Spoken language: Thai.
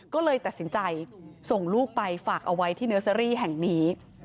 ก็เลยตัดสินใจส่งลูกไปฝากเอาไว้ที่เนอร์เซอรี่แห่งนี้